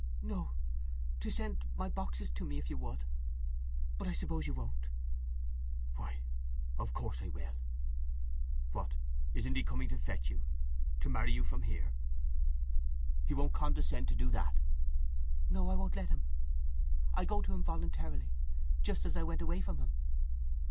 "No. To send—my boxes to me—if you would. But I suppose you won't." "Why, of course I will. What—isn't he coming to fetch you—to marry you from here? He won't condescend to do that?" "No—I won't let him. I go to him voluntarily, just as I went away from him.